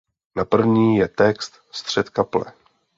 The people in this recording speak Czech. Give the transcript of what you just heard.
Na první je text ""Střed kaple.